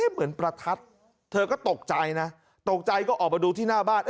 ประทัดเธอก็ตกใจนะตกใจก็ออกมาดูที่หน้าบ้าน